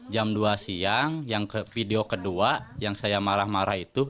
jam dua siang video kedua yang saya marah marah itu